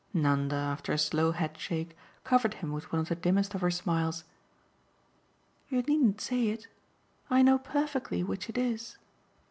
Nanda, after a slow headshake, covered him with one of the dimmest of her smiles. "You needn't say it. I know perfectly which it is."